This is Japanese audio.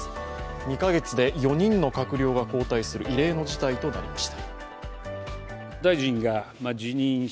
２か月で４人の閣僚が交代する異例の事態となりました。